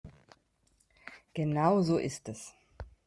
Genau so ist es.